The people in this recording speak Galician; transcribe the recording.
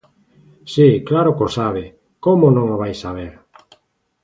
Si, claro que o sabe, ¿como non o vai saber?